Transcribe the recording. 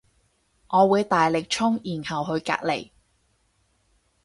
我會大力衝然後去隔籬